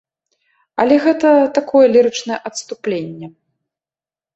Але гэта такое лірычнае адступленне.